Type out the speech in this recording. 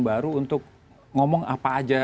baru untuk ngomong apa aja